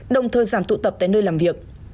đồng thời giảm tụ tập tại nơi làm việc